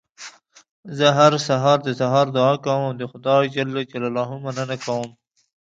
زه هره ورځ د سهار دعا کوم او د خدای ج مننه کوم